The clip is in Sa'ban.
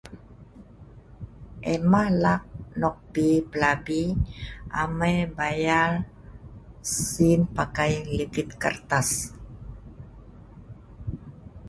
Emah lak nok pi pelabi amai bayal sin pakai ligit keltas.